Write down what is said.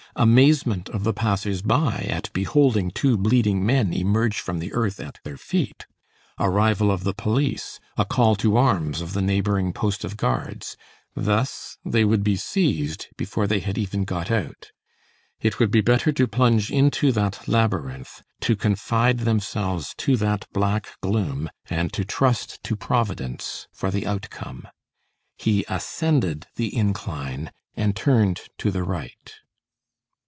Amazement of the passers by at beholding two bleeding men emerge from the earth at their feet. Arrival of the police, a call to arms of the neighboring post of guards. Thus they would be seized before they had even got out. It would be better to plunge into that labyrinth, to confide themselves to that black gloom, and to trust to Providence for the outcome. He ascended the incline, and turned to the right.